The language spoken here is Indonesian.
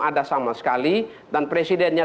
ada sama sekali dan presidennya